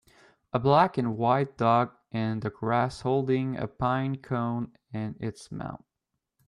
A black and white dog in the grass holding a pine cone in its mouth.